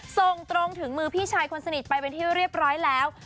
ส่งตรงถึงมือพี่ชายคนสนิทไปเป็นที่เรียบร้อยแล้ว